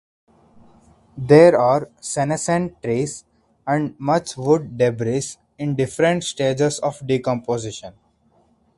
There are senescent trees and much wood debris in different stages of decomposition.